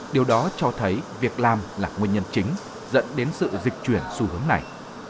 điều đó cho thấy việc làm là nguyên nhân chính dẫn đến sự dịch chuyển xu hướng này